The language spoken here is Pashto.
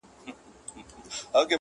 چي پیسې لري هغه د نر بچی دی,